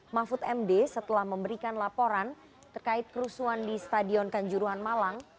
mahfud md setelah memberikan laporan terkait kerusuhan di stadion kanjuruhan malang